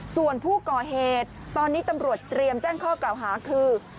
ส่วนผู้ก่อเหตุตอนนี้ตำรวจเตรียมแจ้งข้อกล่าวหาคือ